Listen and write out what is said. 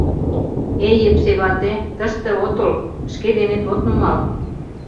Эй, Епсей вате, тыште отыл, шке денет от нумал.